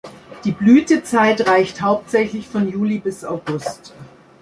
Die Blütezeit reicht hauptsächlich von Juli bis August.